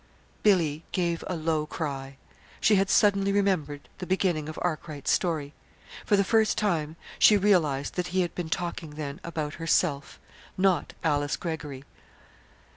Billy gave a low cry. She had suddenly remembered the beginning of Arkwright's story. For the first time she realized that he had been talking then about herself, not Alice Greggory.